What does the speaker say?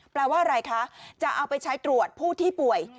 แปลว่าอะไรคะจะเอาไปใช้ตรวจผู้ที่ป่วย